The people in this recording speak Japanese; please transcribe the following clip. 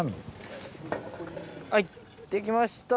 はいできました。